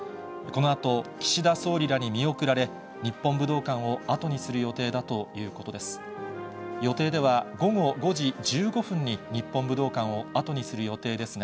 このあと、岸田総理らに見送られ、日本武道館を後にする予定だということです。